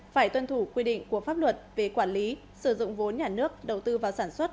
phải tuân thủ quy định của pháp luật về quản lý sử dụng vốn nhà nước đầu tư vào sản xuất